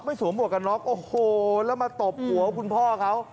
สวมหวกกันน็อกโอ้โหแล้วมาตบหัวคุณพ่อเขา